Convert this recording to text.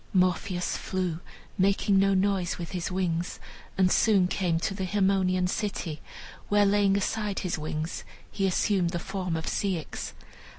Morpheus flew, making no noise with his wings, and soon came to the Haemonian city, where, laying aside his wings, he assumed the form of Ceyx.